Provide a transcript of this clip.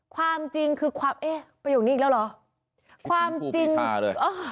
ความจริงคือความเอ๊ะประโยชน์นี้อีกแล้วเหรอ